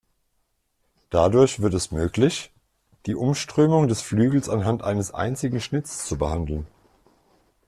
Dadurch wird es möglich, die Umströmung des Flügels anhand eines einzigen Schnitts zu behandeln.